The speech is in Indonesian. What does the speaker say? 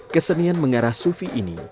kesenian mengarah sufi ini